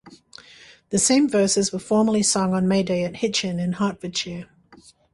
The same verses were formerly sung on May Day at Hitchin in Hartfordshire.